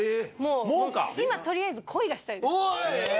もう、今、とりあえず恋がしたいです。